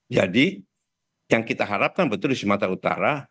jadi yang kita harapkan di sumatera utara